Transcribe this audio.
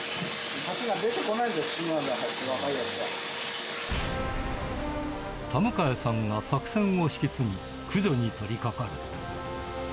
ハチが出てこないです、田迎さんが作戦を引き継ぎ、駆除に取りかかる。